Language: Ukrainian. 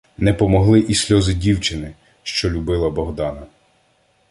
Не помогли і сльози дівчини, що любила Богдана.